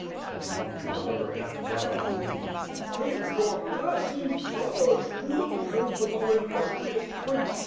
and he emptied another half gallon of mead. "Take your glasses, brothers! To the health of our illustrious prince!